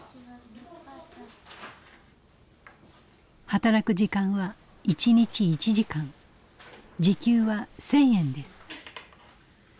働く時間は１日１時間時給は１，０００円です。